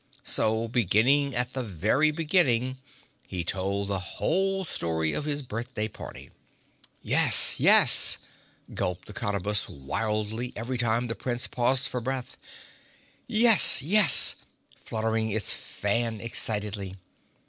So beginning at the very beginning he told the whole story of his birthday party. "Yes, yes," gulped the Cottabus wildly each time the Prince paused for breath. "Yes, yes," fluttering its fan excitedly.